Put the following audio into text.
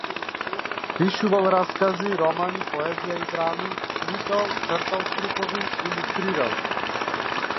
Пишувал раскази, романи, поезија и драми, сликал, цртал стрипови, илустрирал.